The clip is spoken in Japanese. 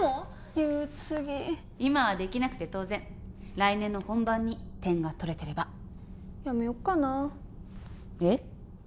憂鬱すぎ今はできなくて当然来年の本番に点が取れてればやめよっかなえっ？